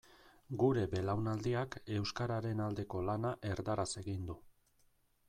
Gure belaunaldiak euskararen aldeko lana erdaraz egin du.